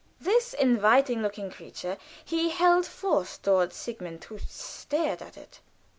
This inviting looking creature he held forth toward Sigmund, who stared at it.